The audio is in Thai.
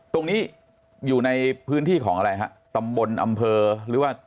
ตรงนี้อยู่ในพื้นที่ของอะไรฮะตำบลอำเภอหรือว่า